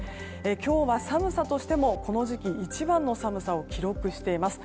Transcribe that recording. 今日は寒さとしてもこの時期一番の寒さを記録しています。